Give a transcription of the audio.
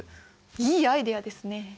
いいアイデアですね。